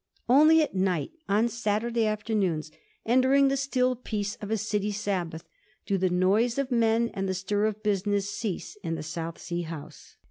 Only at night, on Saturday afternoons, and during the still peace of a City Sab bath, do the noise of men and the stir of business cease in the South Sea House.